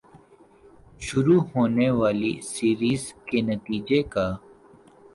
شروع ہونے والی سیریز کے نتیجے کا